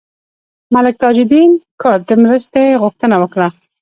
ملک تاج الدین کرد د مرستې غوښتنه وکړه.